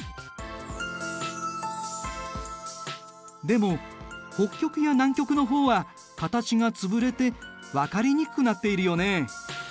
でも北極や南極の方は形が潰れて分かりにくくなっているよね。